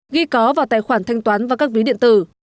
ghi có vào tài khoản thanh toán và các ví điện tử